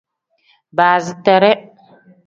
Baasiteree.